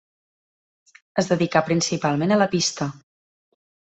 Es dedicà principalment a la pista.